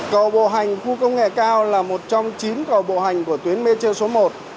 cầu bộ hành khu công nghệ cao là một trong chín cầu bộ hành của tuyến metro số một